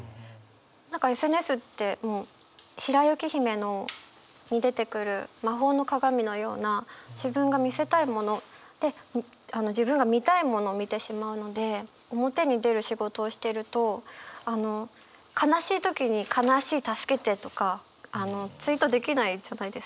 何かＳＮＳってもう「白雪姫」に出てくる魔法の鏡のような自分が見せたいもので自分が見たいものを見てしまうので表に出る仕事をしてるとあの悲しい時に「悲しい助けて」とかツイートできないじゃないですか。